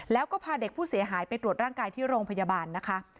แล้วก็พาเด็กผู้เสียหายไปตรวจร่างกายที่โรงพยาบาลนะคะ